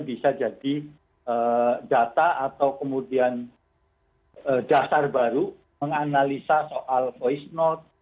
bisa jadi data atau kemudian dasar baru menganalisa soal voice note